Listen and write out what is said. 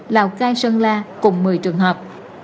lào cai sơn la cùng một mươi trường hợp